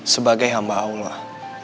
sebagai hamba allah